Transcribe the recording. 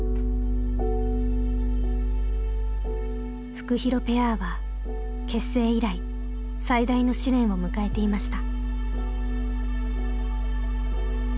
フクヒロペアは結成以来最大の試練を迎えていました。